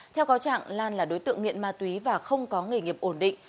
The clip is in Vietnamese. theo cáo trạng lan là đối tượng nghiện ma túy và không có nghề nghiệp ổn định